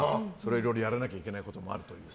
いろいろやらなきゃいけないこともあるし。